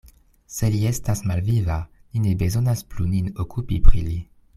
Se li estas malviva, ni ne bezonas plu nin okupi pri li.